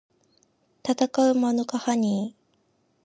たたかうマヌカハニー